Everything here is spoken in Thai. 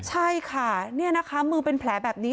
ใช่ค่ะนี่นะคะมือเป็นแผลแบบนี้